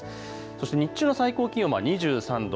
そして日中の最高気温は２３度。